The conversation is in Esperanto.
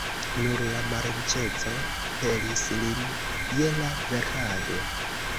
Nur la malriĉeco pelis lin je la verkado.